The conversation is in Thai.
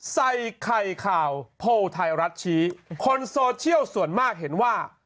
ใส่ไข่ข่าวโพลไทยรัฐชี้คนโซเชียลส่วนมากเห็นว่า